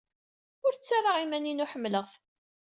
Ur ttarraɣ iman-inu ḥemmleɣ-t.